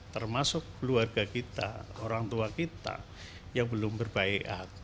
termasuk keluarga kita orang tua kita yang belum berbaik